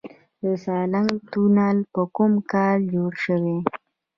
د سالنګ تونل په کوم کال جوړ شو؟